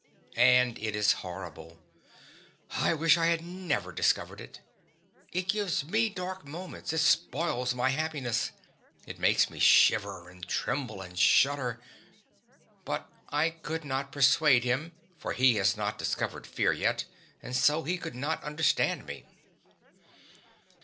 And it is horrible! I wish I had never discovered it; it gives me dark moments, it spoils my happiness, it makes me shiver and tremble and shudder. But I could not persuade him, for he has not discovered fear yet, and so he could not understand me.